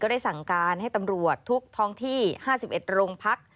ได้สั่งการให้ตำรวจทุกท้องที่๕๑โรงพัก